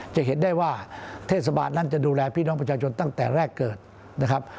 จะเห็นได้ว่าเทศบาลนั้นจะดูแลพี่น้องประชาชนตั้งแต่แรกเกิดนะครับ